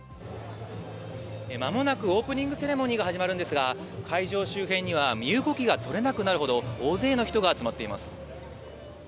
間もなくオープニングセレモニーが始まるんですが、会場周辺には身動きが取れなくなるほど大勢の人が集まっています。